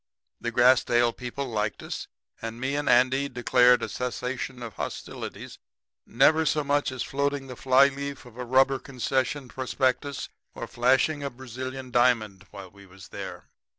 The Grassdale people liked us, and me and Andy declared a cessation of hostilities, never so much as floating the fly leaf of a rubber concession prospectus or flashing a Brazilian diamond while we was there.